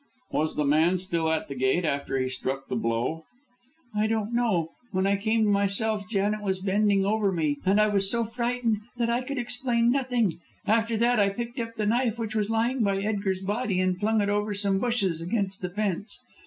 "Was the man still at the gate after he struck the blow?" "I don't know. When I came to myself Janet was bending over me, and I was so frightened that I could explain nothing. After that I picked up the knife which was lying by Edgar's body and flung it over some bushes against the fence.